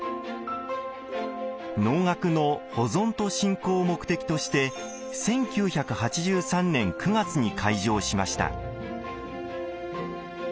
能楽の保存と振興を目的として１９８３年９月に開場しました。